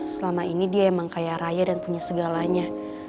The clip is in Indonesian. selama ini dia emang kaya raya dan punya segalanya